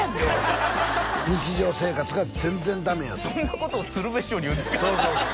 日常生活が全然ダメやとそんなことを鶴瓶師匠に言うんですか？